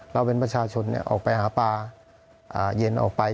เราเป็นประชาชนออกไปหาปลาเย็นออกไป